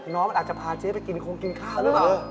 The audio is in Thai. น้องมันอาจจะพาเจ๊ไปกินมีคนกินข้าวแล้วหรือเปล่า